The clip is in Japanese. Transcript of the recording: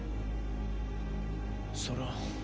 それは。